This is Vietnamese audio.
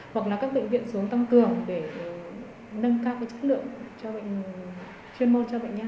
hoặc là các bệnh viện xuống tăng cường để nâng cao chất lượng cho chuyên môn cho bệnh nhân